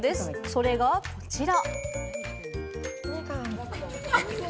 それがこちら。